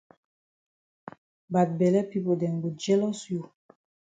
Bad bele pipo dem go jealous you.